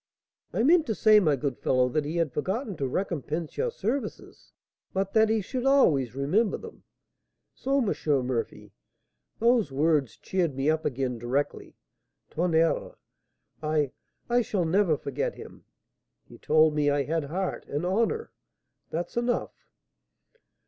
'I meant to say, my good fellow, that he had forgotten to recompense your services, but that he should always remember them.' So, M. Murphy, those words cheered me up again directly. Tonnerre! I I shall never forget him. He told me I had heart and honour, that's enough."